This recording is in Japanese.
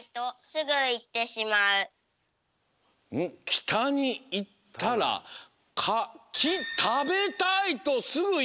「きたにいったらか『きた』べたいとすぐいってしまう」。